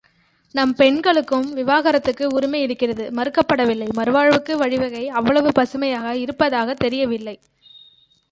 நம் பெண்களுக்கும் விவாகரத்துக்கு உரிமை இருக்கிறது மறுக்கப்படவில்லை மறுவாழ்வுக்கு வழிவகை அவ்வளவு பசுமையாக இருப்பதாகத் தெரியவில்லை.